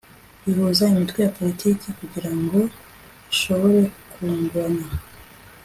rihuza imitwe ya politiki kugira ngo ishobore kungurana